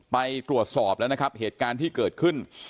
ไปตรวจสอบแล้วนะครับเหตุการณ์ที่เกิดขึ้น